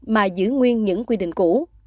mà giữ nguyên những quy định cũ